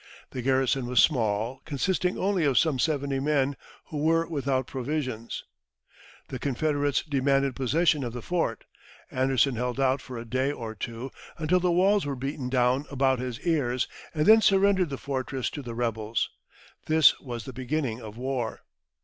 The garrison was small, consisting only of some seventy men, who were without provisions. [Illustration: The defense of Fort Sumter.] The Confederates demanded possession of the fort. Anderson held out for a day or two, until the walls were beaten down about his ears, and then surrendered the fortress to the rebels. This was the beginning of war.